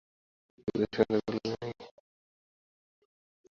যদি সেখান থেকে নেয় বলা যায় কি?